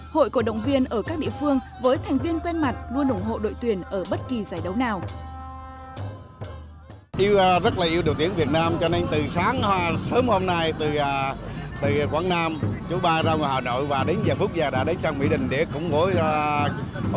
hội cổ động viên ở các địa phương với thành viên quen mặt luôn ủng hộ đội tuyển ở bất kỳ giải đấu nào